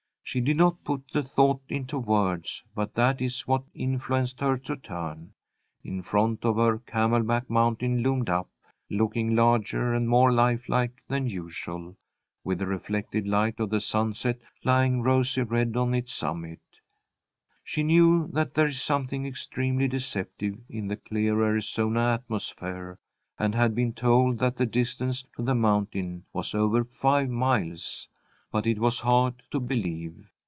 She did not put the thought into words, but that is what influenced her to turn. In front of her Camelback Mountain loomed up, looking larger and more lifelike than usual, with the reflected light of the sunset lying rosy red on its summit. She knew that there is something extremely deceptive in the clear Arizona atmosphere, and had been told that the distance to the mountain was over five miles. But it was hard to believe.